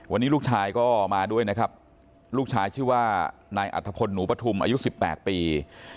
วันนี้ลูกชายก็มาด้วยนะครับลูกชายชื่อว่านายอัธพลหนูปฐุมอายุ๑๘ปี